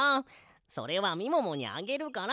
それはみももにあげるから。